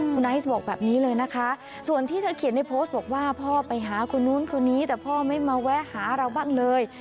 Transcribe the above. คุณไอซ์บอกแบบนี้เลยนะคะส่วนที่เธอเขียนในโพสต์บอกว่าพ่อไปหาคนนู้นคนนี้แต่พ่อไม่มาแวะหาเราบ้างเลย